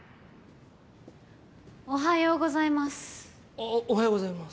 あおはようございます。